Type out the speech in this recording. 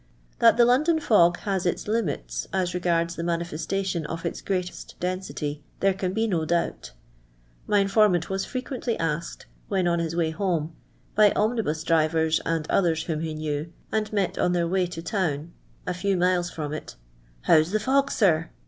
That the London fog na>« its limiU as regards the inanifestatiim of its greatest density, there cm be no doubt. My informant was frt quently asked, when on his way home, by omnibus drivers and others whom he knew, and mot on their way t(» town a few miles from it :" How 's the fog, sir